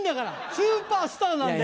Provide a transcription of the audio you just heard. スーパースターだ。